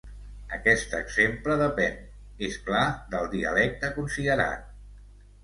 Aquest exemple depèn, és clar, del dialecte considerat.